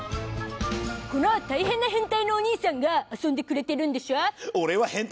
このタイヘンなヘンタイのお兄さんが遊んでくれてるんでしょ？